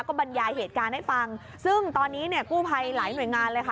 บรรยายเหตุการณ์ให้ฟังซึ่งตอนนี้เนี่ยกู้ภัยหลายหน่วยงานเลยค่ะ